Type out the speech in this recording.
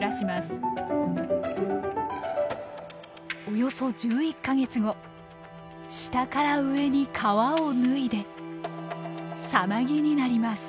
およそ１１か月後下から上に皮を脱いで蛹になります。